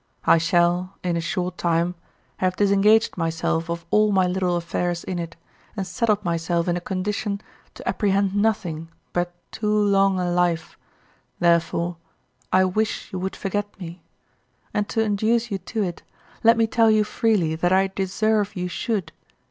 I shall, in a short time, have disengaged myself of all my little affairs in it, and settled myself in a condition to apprehend nothing but too long a life, therefore I wish you would forget me; and to induce you to it, let me tell you freely that I deserve you should.